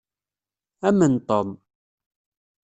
Amen Tom.